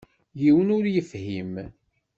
Yiwen ur yefhim.